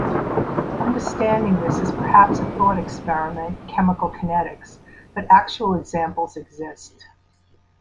Understanding this is perhaps a "thought experiment" in chemical kinetics, but actual examples exist.